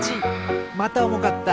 またおもかった。